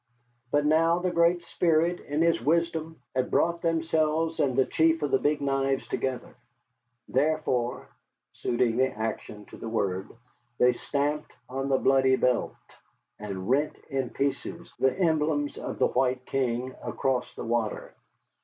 But now the Great Spirit in His wisdom had brought themselves and the Chief of the Big Knives together. Therefore (suiting the action to the word) they stamped on the bloody belt, and rent in pieces the emblems of the White King across the water.